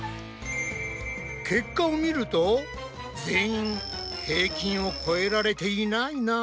結果を見ると全員平均をこえられていないなぁ。